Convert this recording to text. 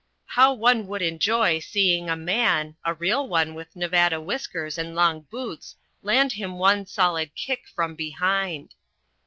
How one would enjoy seeing a man a real one with Nevada whiskers and long boots land him one solid kick from behind.